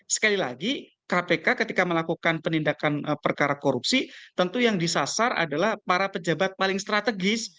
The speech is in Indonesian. sekali lagi kpk ketika melakukan penindakan perkara korupsi tentu yang disasar adalah para pejabat paling strategis